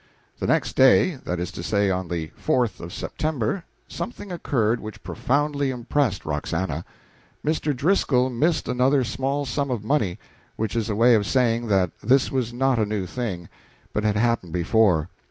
The next day that is to say, on the 4th of September something occurred which profoundly impressed Roxana. Mr. Driscoll missed another small sum of money which is a way of saying that this was not a new thing, but had happened before.